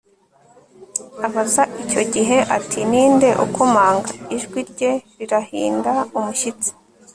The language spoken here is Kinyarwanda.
abaza icyo gihe ati 'ninde ukomanga?', ijwi rye rirahinda umushyitsi